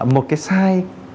một cái sai